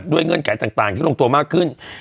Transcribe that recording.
เงื่อนไขต่างที่ลงตัวมากขึ้น